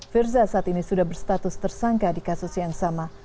firza saat ini sudah berstatus tersangka di kasus yang sama